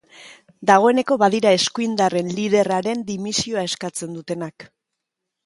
Dagoeneko badira eskuindarren liderraren dimisioa eskatzen dutenak.